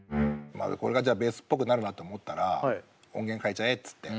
これがじゃあベースっぽくなるなって思ったら音源変えちゃえっつって。